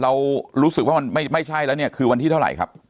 เรารู้สึกว่ามันไม่ใช่แล้วเนี่ยคือวันที่เท่าไหร่ครับ